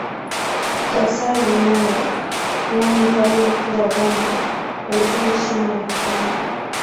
Kaisari naye, yaani Mfalme Mkuu wa Roma, alipewa heshima ya kimungu.